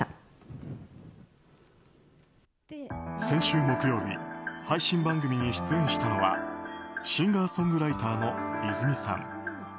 先週木曜日配信番組に出演したのはシンガーソングライターの和さん。